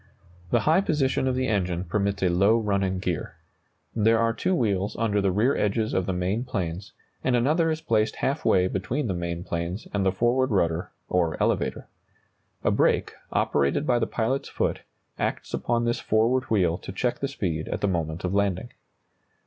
The high position of the engine permits a low running gear. There are two wheels under the rear edges of the main planes, and another is placed half way between the main planes and the forward rudder, or elevator. A brake, operated by the pilot's foot, acts upon this forward wheel to check the speed at the moment of landing.